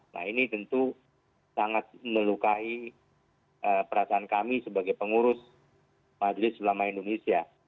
nah ini tentu sangat melukai perasaan kami sebagai pengurus majelis ulama indonesia